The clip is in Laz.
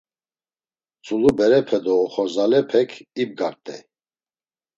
Tzulu berepe do oxorzalepek ibgart̆ey.